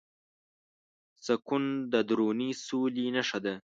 سکون د دروني سولې نښه ده.